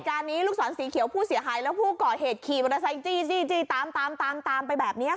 การนี้ลูกศรสีเขียวผู้เสียหายแล้วผู้ก่อเหตุขี่มอเตอร์ไซค์จี้ตามตามไปแบบนี้ค่ะ